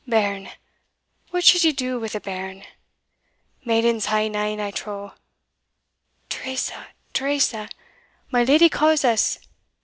Bairn! what should she do wi' a bairn? maidens hae nane, I trow. Teresa Teresa my lady calls us!